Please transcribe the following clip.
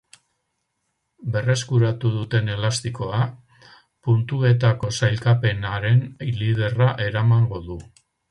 Berreskuratu duten elastikoa, puntuetako sailkapenaren liderra eramango du.